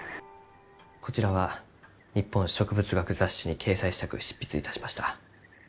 こちらは「日本植物学雑誌」に掲載したく執筆いたしました。